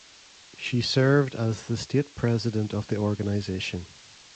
She served as the state president of the organization.